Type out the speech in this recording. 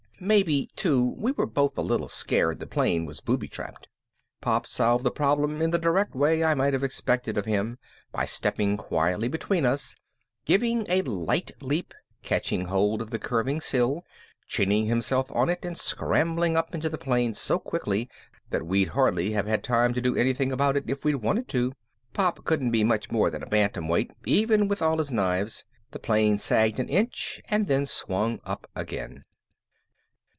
Maybe, too, we were both a little scared the plane was booby trapped. Pop solved the problem in the direct way I might have expected of him by stepping quietly between us, giving a light leap, catching hold of the curving sill, chinning himself on it, and scrambling up into the plane so quickly that we'd hardly have had time to do anything about it if we'd wanted to. Pop couldn't be much more than a bantamweight, even with all his knives. The plane sagged an inch and then swung up again.